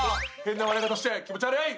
変な笑い方して気持ち悪い！